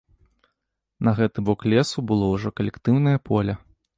На гэты бок лесу было ўжо калектыўнае поле.